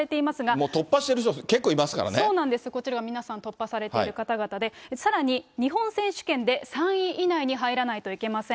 もう突破している人、そうなんです、こちら皆さん、突破されている方々で、さらに日本選手権で３位以内に入らないといけません。